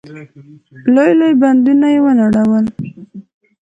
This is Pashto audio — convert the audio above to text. لوی لوی بندونه يې ونړول.